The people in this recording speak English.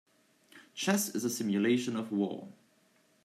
Chess is a simulation of war.